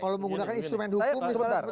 kalau menggunakan instrumen hukum misalnya